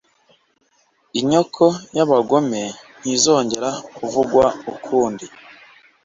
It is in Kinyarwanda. inyoko y’abagome ntizongera kuvugwa ukundi.